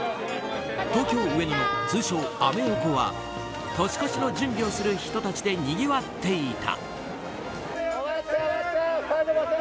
東京・上野の通称アメ横は年越しの準備をする人たちでにぎわっていた。